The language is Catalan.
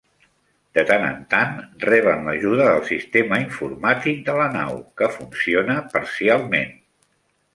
De tant en tant, reben l'ajuda del sistema informàtic de la nau, que funciona parcialment.